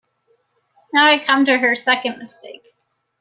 Now I come to her second mistake.